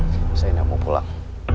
saya tidak mau pulang